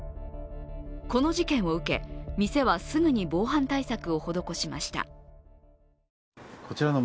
この事件を受け、店はすぐに防犯対策を施しました。